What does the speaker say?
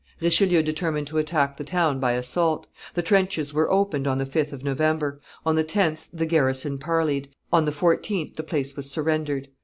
Richelieu determined to attack the town by assault; the trenches were opened on the 5th of November; on the 10th the garrison parleyed; on the 14th the place was surrendered.